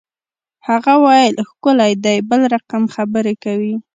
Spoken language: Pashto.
هغه ویل ښکلی دی بل رقم خبرې کوي